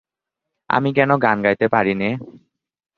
আমি কেন গান গাইতে পারি নে!